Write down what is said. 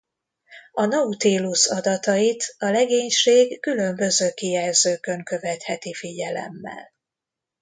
A Nautilus adatait a legénység különböző kijelzőkön követheti figyelemmel.